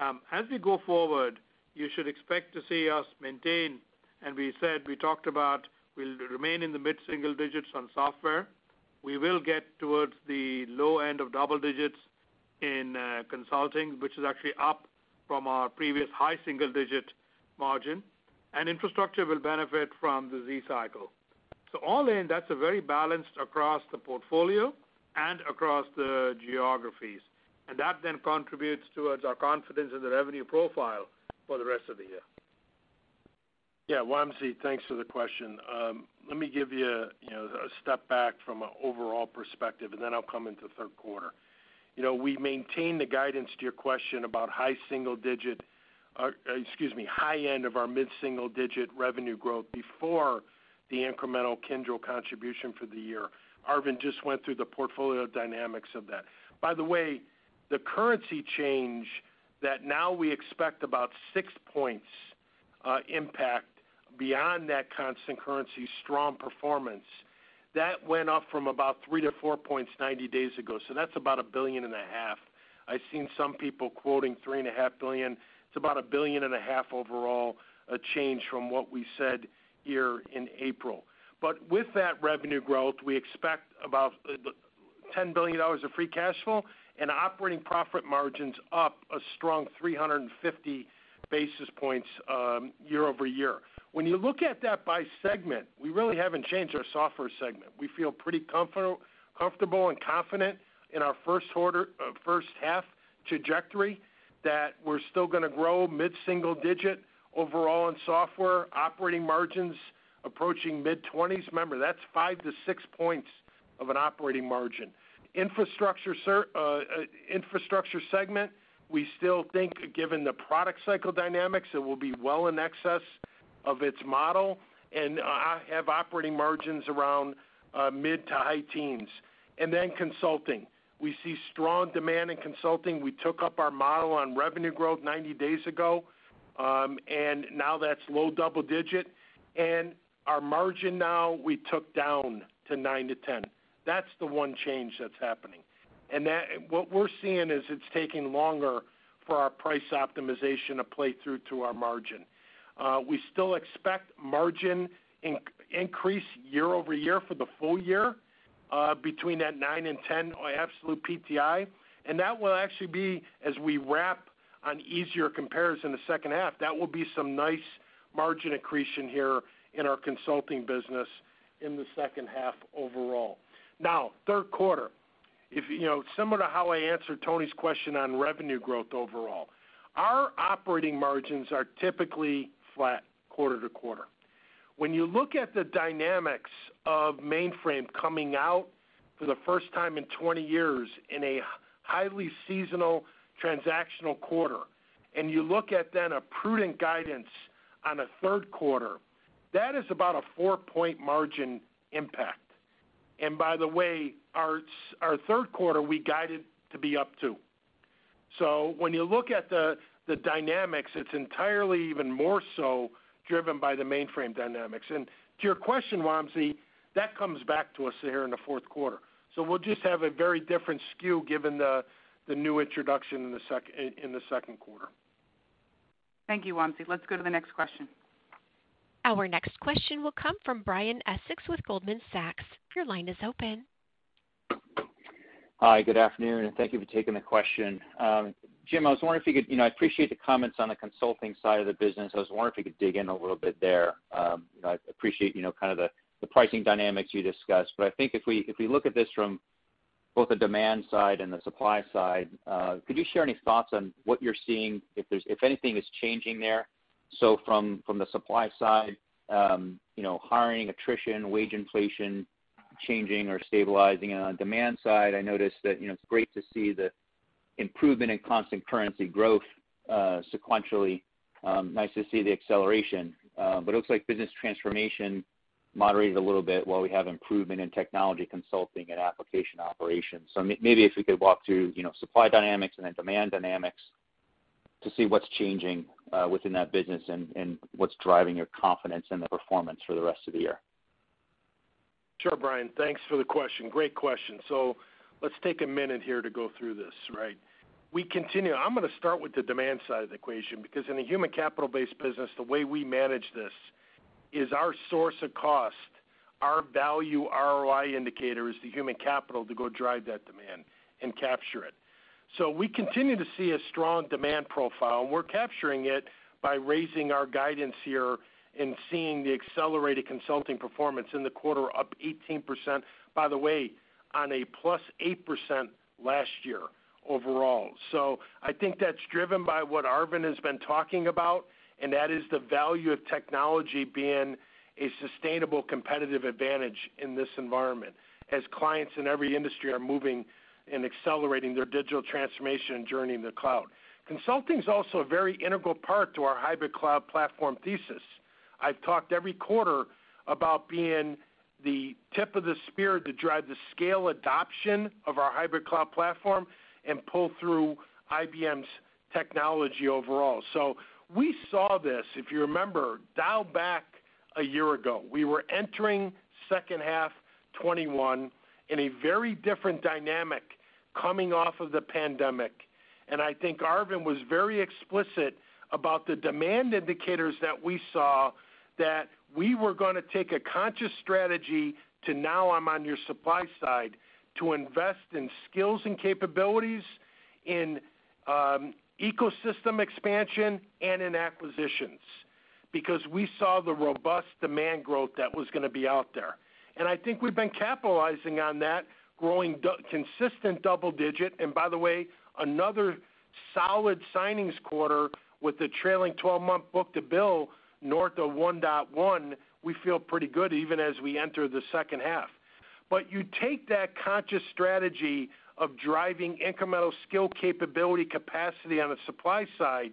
As we go forward, you should expect to see us maintain, and we said, we talked about we'll remain in the mid-single digits on software. We will get towards the low end of double digits in consulting, which is actually up from our previous high single digit margin, and infrastructure will benefit from the Z cycle. All in, that's a very balanced across the portfolio and across the geographies, and that then contributes towards our confidence in the revenue profile for the rest of the year. Yeah, Wamsi, thanks for the question. Let me give you know, a step back from an overall perspective, and then I'll come into third quarter. You know, we maintain the guidance to your question about high end of our mid-single-digit revenue growth before the incremental Kyndryl contribution for the year. Arvind just went through the portfolio dynamics of that. By the way, the currency change that now we expect about 6 points impact beyond that constant currency strong performance, that went up from about 3-4 points 90 days ago. That's about $1.5 billion. I've seen some people quoting $3.5 billion. It's about $1.5 billion overall, a change from what we said here in April. With that revenue growth, we expect about $10 billion of free cash flow and operating profit margins up a strong 350 basis points year-over-year. When you look at that by segment, we really haven't changed our software segment. We feel pretty comfortable and confident in our first half trajectory that we're still gonna grow mid-single-digit overall in software, operating margins approaching mid-20s. Remember, that's 5-6 points of an operating margin. Infrastructure segment, we still think given the product cycle dynamics, it will be well in excess of its model, and have operating margins around mid- to high teens. Consulting. We see strong demand in consulting. We took up our model on revenue growth 90 days ago, and now that's low double-digit. Our margin now we took down to 9%-10%. That's the one change that's happening. What we're seeing is it's taking longer for our price optimization to play through to our margin. We still expect margin increase year-over-year for the full year, between that 9%-10% absolute PTI. That will actually be as we lap easier comparisons in the second half, that will be some nice margin accretion here in our consulting business in the second half overall. Now, third quarter. You know, similar to how I answered Toni's question on revenue growth overall, our operating margins are typically flat quarter-over-quarter. When you look at the dynamics of mainframe coming out for the first time in 20 years in a highly seasonal transactional quarter, and you look at then a prudent guidance on a third quarter, that is about a 4-point margin impact. By the way, our third quarter, we guided to be up 2%. When you look at the dynamics, it's entirely even more so driven by the mainframe dynamics. To your question, Wamsi, that comes back to us here in the fourth quarter. We'll just have a very different skew given the new introduction in the second quarter. Thank you, Wamsi. Let's go to the next question. Our next question will come from Brian Essex with Goldman Sachs. Your line is open. Hi, good afternoon, and thank you for taking the question. Jim, I was wondering if you could. You know, I appreciate the comments on the consulting side of the business. I was wondering if you could dig in a little bit there. You know, I appreciate, you know, kind of the pricing dynamics you discussed, but I think if we look at this from both the demand side and the supply side, could you share any thoughts on what you're seeing, if anything is changing there? From the supply side, you know, hiring, attrition, wage inflation, changing or stabilizing. On demand side, I noticed that, you know, it's great to see the improvement in Constant Currency growth, sequentially. Nice to see the acceleration. It looks like business transformation moderated a little bit while we have improvement in technology consulting and application operations. Maybe if we could walk through, you know, supply dynamics and then demand dynamics to see what's changing within that business and what's driving your confidence in the performance for the rest of the year. Sure, Brian. Thanks for the question. Great question. Let's take a minute here to go through this, right? We continue. I'm gonna start with the demand side of the equation because in a human capital-based business, the way we manage this is our source of cost, our value, ROI indicator is the human capital to go drive that demand and capture it. We continue to see a strong demand profile, and we're capturing it by raising our guidance here and seeing the accelerated consulting performance in the quarter up 18%, by the way, on a +8% last year overall. I think that's driven by what Arvind has been talking about, and that is the value of technology being a sustainable competitive advantage in this environment as clients in every industry are moving and accelerating their digital transformation journey in the cloud. Consulting is also a very integral part to our hybrid cloud platform thesis. I've talked every quarter about being the tip of the spear to drive the scale adoption of our hybrid cloud platform and pull through IBM's technology overall. We saw this, if you remember, looking back a year ago. We were entering second half 2021 in a very different dynamic coming off of the pandemic. I think Arvind was very explicit about the demand indicators that we saw that we were gonna take a conscious strategy to now, on our supply side, to invest in skills and capabilities in ecosystem expansion and in acquisitions because we saw the robust demand growth that was gonna be out there. I think we've been capitalizing on that, growing consistent double digit. By the way, another solid signings quarter with the trailing 12-month book-to-bill north of 1.1, we feel pretty good even as we enter the second half. You take that conscious strategy of driving incremental skill capability capacity on the supply side,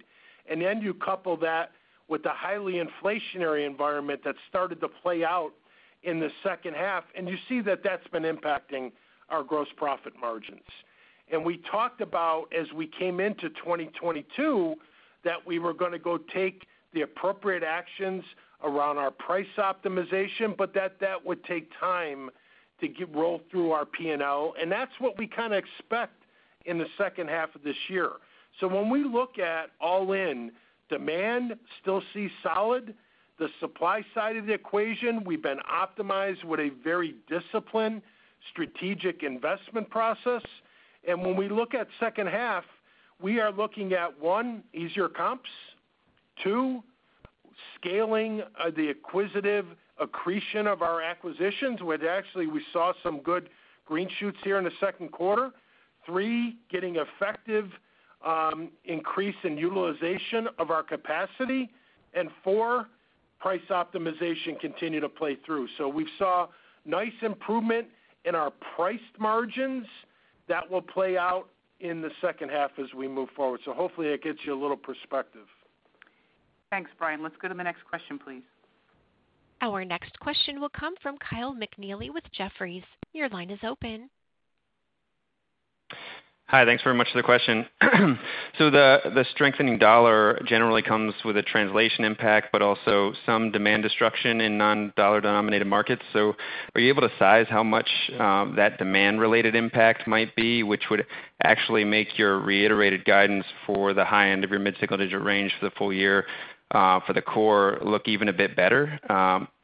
and then you couple that with the highly inflationary environment that started to play out in the second half, and you see that that's been impacting our gross profit margins. We talked about as we came into 2022, that we were gonna go take the appropriate actions around our price optimization, but that would take time to roll through our P&L. That's what we kinda expect in the second half of this year. When we look at all-in demand, still see solid. The supply side of the equation, we've been optimized with a very disciplined strategic investment process. When we look at second half, we are looking at one, easier comps. Two, scaling the acquisitive accretion of our acquisitions, where actually we saw some good green shoots here in the second quarter. Three, getting effective increase in utilization of our capacity. Four, price optimization continue to play through. We saw nice improvement in our priced margins that will play out in the second half as we move forward. Hopefully, that gets you a little perspective. Thanks, Brian. Let's go to the next question, please. Our next question will come from Kyle McNealy with Jefferies. Your line is open. Hi. Thanks very much for the question. The strengthening U.S. dollar generally comes with a translation impact, but also some demand destruction in non-U.S. dollar-denominated markets. Are you able to size how much that demand-related impact might be, which would actually make your reiterated guidance for the high end of your mid-single-digit range for the full year for the core look even a bit better?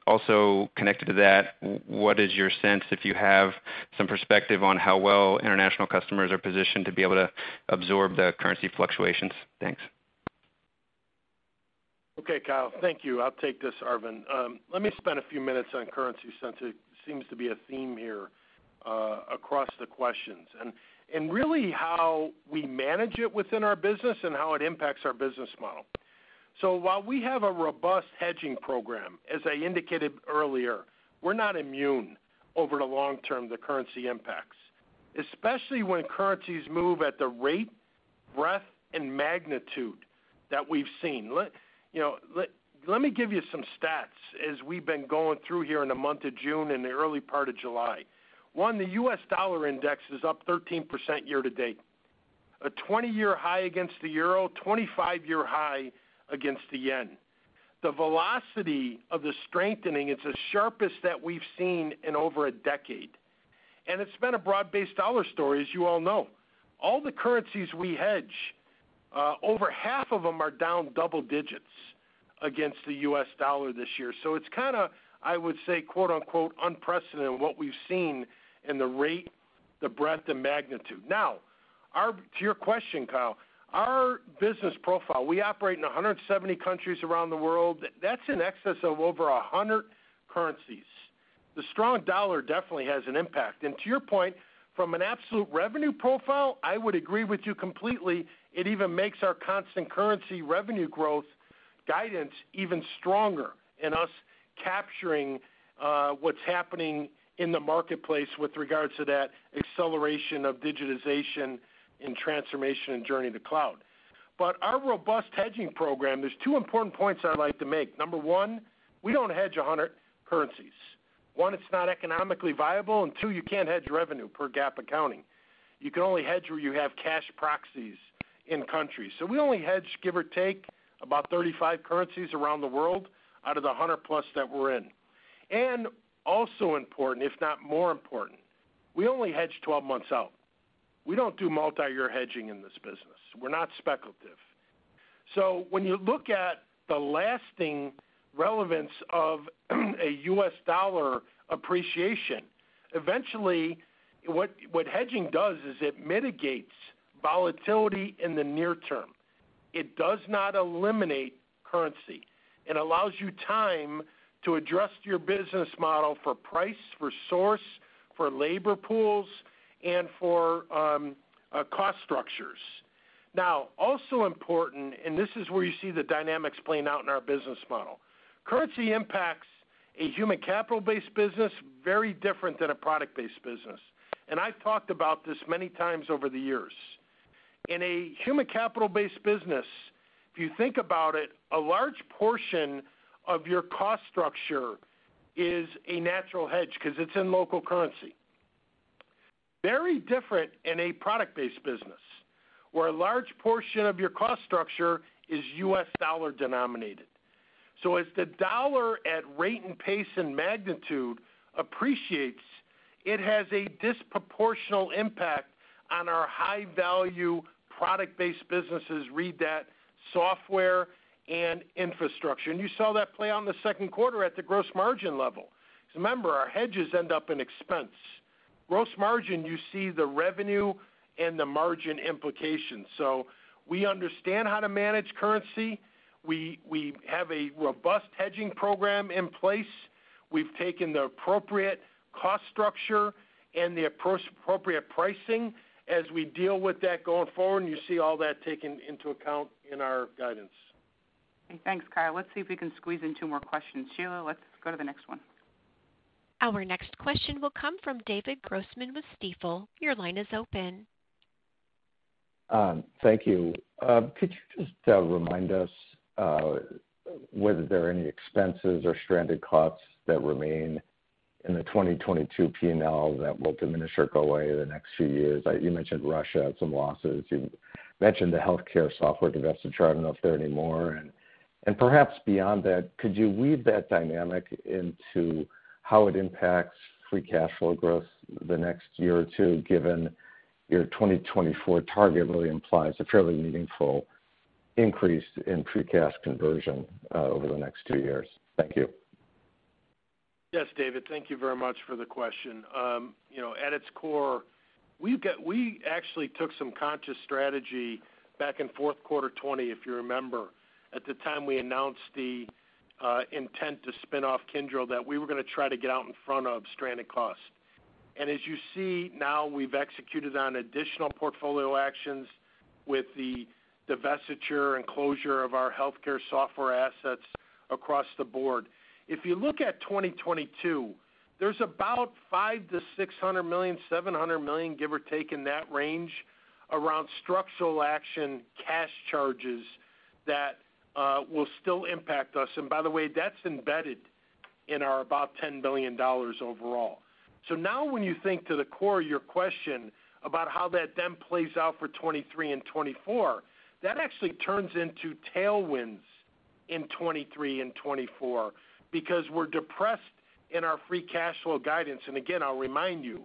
Also connected to that, what is your sense, if you have some perspective on how well international customers are positioned to be able to absorb the currency fluctuations? Thanks. Okay, Kyle. Thank you. I'll take this, Arvind. Let me spend a few minutes on currency since it seems to be a theme here across the questions, and really how we manage it within our business and how it impacts our business model. While we have a robust hedging program, as I indicated earlier, we're not immune over the long term to the currency impacts, especially when currencies move at the rate, breadth, and magnitude that we've seen. Let me give you some stats as we've been going through here in the month of June and the early part of July. One, the U.S. dollar index is up 13% year to date, a 20-year high against the euro, 25-year high against the yen. The velocity of the strengthening, it's the sharpest that we've seen in over a decade, and it's been a broad-based dollar story, as you all know. All the currencies we hedge, over half of them are down double digits against the U.S. dollar this year. So it's kinda, I would say, quote-unquote, "unprecedented" what we've seen in the rate, the breadth, and magnitude. To your question, Kyle, our business profile, we operate in 170 countries around the world. That's in excess of over 100 currencies. The strong dollar definitely has an impact. To your point, from an absolute revenue profile, I would agree with you completely. It even makes our constant currency revenue growth guidance even stronger, and us capturing what's happening in the marketplace with regards to that acceleration of digitization and transformation and journey to cloud. Our robust hedging program, there's two important points I'd like to make. Number one, we don't hedge 100 currencies. One, it's not economically viable, and two, you can't hedge revenue per GAAP accounting. You can only hedge where you have cash proxies in countries. We only hedge, give or take, about 35 currencies around the world out of the 100+ that we're in. Also important, if not more important, we only hedge 12 months out. We don't do multi-year hedging in this business. We're not speculative. When you look at the lasting relevance of a U.S. dollar appreciation, eventually what hedging does is it mitigates volatility in the near term. It does not eliminate currency. It allows you time to address your business model for price, for source, for labor pools, and for cost structures. Now, also important, and this is where you see the dynamics playing out in our business model. Currency impacts a human capital-based business very different than a product-based business. I've talked about this many times over the years. In a human capital-based business, if you think about it, a large portion of your cost structure is a natural hedge 'cause it's in local currency. Very different in a product-based business, where a large portion of your cost structure is U.S. dollar denominated. As the dollar at rate and pace and magnitude appreciates, it has a disproportional impact on our high-value product-based businesses, read that software and infrastructure. You saw that play on the second quarter at the gross margin level. Remember, our hedges end up in expense. Gross margin, you see the revenue and the margin implications. We understand how to manage currency. We have a robust hedging program in place. We've taken the appropriate cost structure and the appropriate pricing as we deal with that going forward, and you see all that taken into account in our guidance. Okay. Thanks, Kyle. Let's see if we can squeeze in two more questions. Sheila, let's go to the next one. Our next question will come from David Grossman with Stifel. Your line is open. Thank you. Could you just remind us whether there are any expenses or stranded costs that remain in the 2022 P&L that will diminish or go away in the next few years? You mentioned Russia had some losses. You mentioned the healthcare software divestiture. I don't know if there are any more. Perhaps beyond that, could you weave that dynamic into how it impacts free cash flow growth the next year or two, given your 2024 target really implies a fairly meaningful increase in free cash conversion over the next two years? Thank you. Yes, David. Thank you very much for the question. You know, at its core, we actually took some conscious strategy back in fourth quarter 2020, if you remember. At the time, we announced the intent to spin off Kyndryl, that we were gonna try to get out in front of stranded costs. As you see now, we've executed on additional portfolio actions with the divestiture and closure of our healthcare software assets across the board. If you look at 2022, there's about $500 million-$600 million, $700 million, give or take in that range, around structural action cash charges that will still impact us. By the way, that's embedded in our about $10 billion overall. Now when you think to the core of your question about how that then plays out for 2023 and 2024, that actually turns into tailwinds in 2023 and 2024 because we're depressed in our free cash flow guidance. Again, I'll remind you,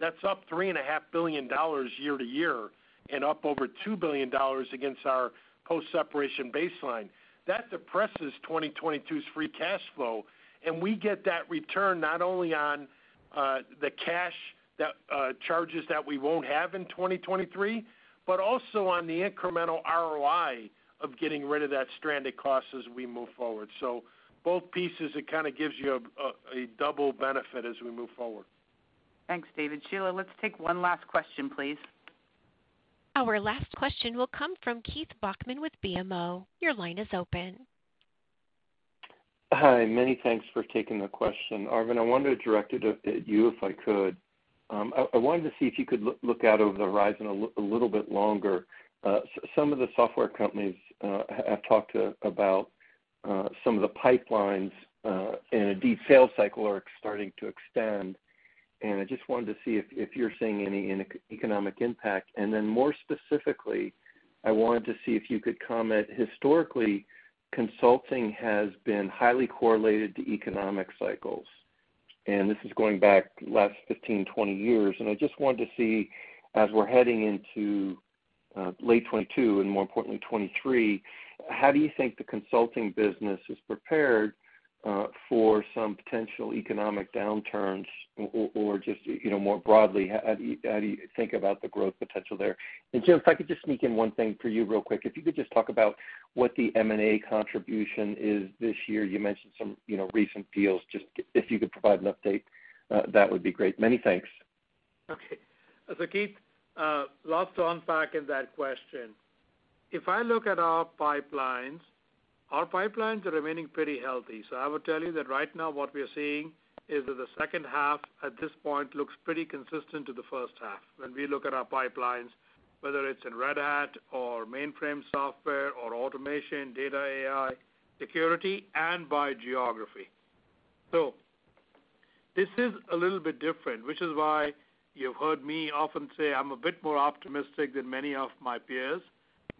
that's up $3.5 billion year-over-year and up over $2 billion against our post-separation baseline. That depresses 2022's free cash flow, and we get that return not only on the cash charges that we won't have in 2023, but also on the incremental ROI of getting rid of that stranded cost as we move forward. Both pieces, it kinda gives you a double benefit as we move forward. Thanks, David. Sheila, let's take one last question, please. Our last question will come from Keith Bachman with BMO. Your line is open. Hi. Many thanks for taking the question. Arvind, I wanted to direct it at you, if I could. I wanted to see if you could look out over the horizon a little bit longer. Some of the software companies have talked about some of the pipelines in a deep sales cycle are starting to extend, and I just wanted to see if you're seeing any economic impact. More specifically, I wanted to see if you could comment. Historically, consulting has been highly correlated to economic cycles, and this is going back last 15, 20 years. I just wanted to see, as we're heading into late 2022 and more importantly, 2023, how do you think the consulting business is prepared for some potential economic downturns or just, you know, more broadly, how do you think about the growth potential there? Jim, if I could just sneak in one thing for you real quick. If you could just talk about what the M&A contribution is this year. You mentioned some, you know, recent deals. Just if you could provide an update, that would be great. Many thanks. Okay. Keith, lots to unpack in that question. If I look at our pipelines, our pipelines are remaining pretty healthy. I would tell you that right now what we are seeing is that the second half at this point looks pretty consistent to the first half when we look at our pipelines, whether it's in Red Hat or mainframe software or automation, data, AI, security, and by geography. This is a little bit different, which is why you've heard me often say I'm a bit more optimistic than many of my peers,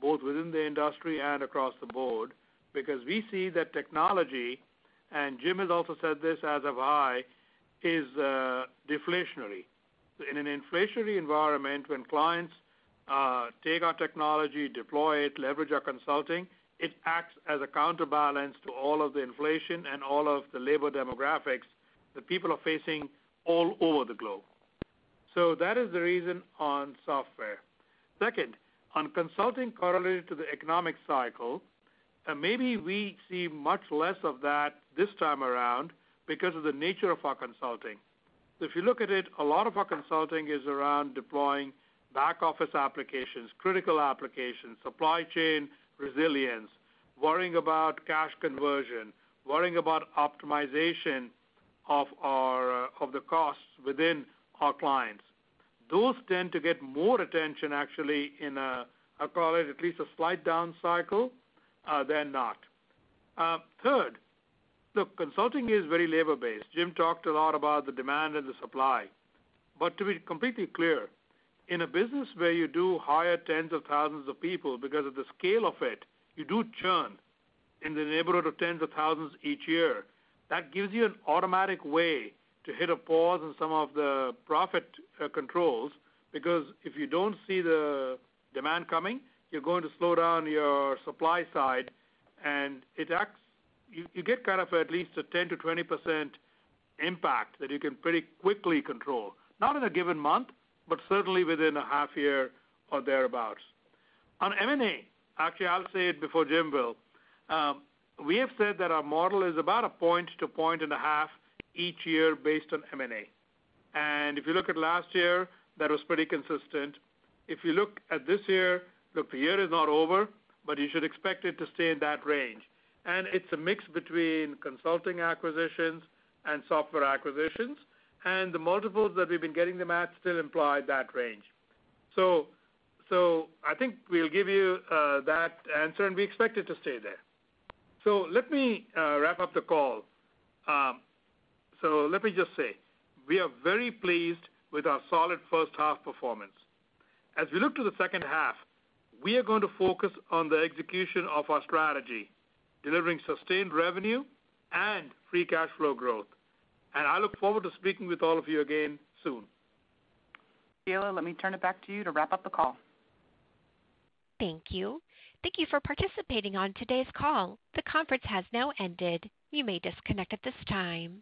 both within the industry and across the board, because we see that technology, and Jim has also said this as have I, is deflationary. In an inflationary environment, when clients take our technology, deploy it, leverage our consulting, it acts as a counterbalance to all of the inflation and all of the labor demographics that people are facing all over the globe. So that is the reason on software. Second, on consulting correlated to the economic cycle, and maybe we see much less of that this time around because of the nature of our consulting. If you look at it, a lot of our consulting is around deploying back-office applications, critical applications, supply chain resilience, worrying about cash conversion, worrying about optimization of the costs within our clients. Those tend to get more attention actually in I call it, at least a slight down cycle than not. Third, look, consulting is very labor-based. Jim talked a lot about the demand and the supply. To be completely clear, in a business where you do hire tens of thousands of people because of the scale of it, you do churn in the neighborhood of tens of thousands each year. That gives you an automatic way to hit a pause on some of the profit controls, because if you don't see the demand coming, you're going to slow down your supply side. You get kind of at least a 10%-20% impact that you can pretty quickly control. Not in a given month, but certainly within a half year or thereabout. On M&A, actually, I'll say it before Jim will. We have said that our model is about one to one a half year each year based on M&A. If you look at last year, that was pretty consistent. If you look at this year, look, the year is not over, but you should expect it to stay in that range. It's a mix between consulting acquisitions and software acquisitions, and the multiples that we've been getting them at still imply that range. So I think we'll give you that answer, and we expect it to stay there. Let me wrap up the call. Let me just say, we are very pleased with our solid first half performance. As we look to the second half, we are going to focus on the execution of our strategy, delivering sustained revenue and free cash flow growth. I look forward to speaking with all of you again soon. Sheila, let me turn it back to you to wrap up the call. Thank you. Thank you for participating on today's call. The conference has now ended. You may disconnect at this time.